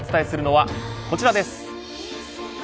今日お伝えするのはこちらです。